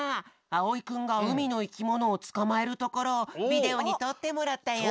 あおいくんがうみのいきものをつかまえるところをビデオにとってもらったよ！